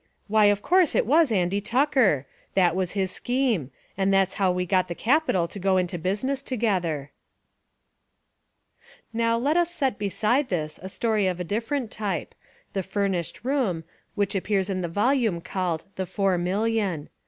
Why, of course it was Andy Tucker. That was his scheme ; and that's how we got the cap ital to go into business together." 257 Essays and Literary Studies Now let us set beside this a story of a differ ent type, The Furnished Room, which appears in the volume called The Four Million.